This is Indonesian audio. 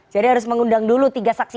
jadi harus mengundang dulu tiga saksi